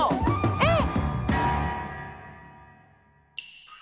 うん！